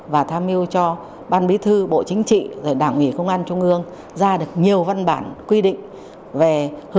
và tham mưu cho ban bí thư bộ chính trị đảng ủy công an trung ương ra được nhiều văn bản quy định